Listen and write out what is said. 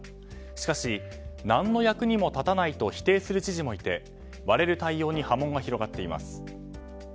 しかし、何の役にも立たないと否定する知事もいて割れる対応に波紋が広がっています。